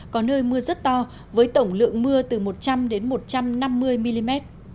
có nơi mưa rất to với tổng lượng mưa từ một trăm linh đến một trăm năm mươi mm